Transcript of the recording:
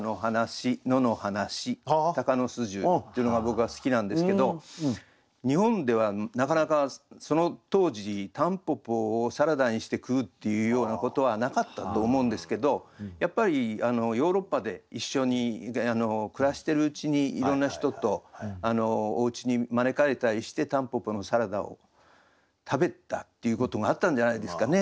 でね。っていうのが僕は好きなんですけど日本ではなかなかその当時たんぽぽをサラダにして食うっていうようなことはなかったと思うんですけどやっぱりヨーロッパで一緒に暮らしてるうちにいろんな人とおうちに招かれたりしてたんぽぽのサラダを食べたっていうことがあったんじゃないですかね